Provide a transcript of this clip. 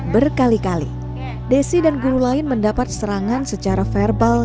berkali kali desi dan guru lain mendapat serangan secara verbal